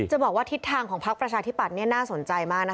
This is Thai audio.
บอกว่าทิศทางของพักประชาธิปัตย์น่าสนใจมากนะคะ